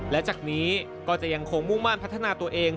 และจากนี้ก็จะยังคงมุ่งมั่นพัฒนาตัวเอง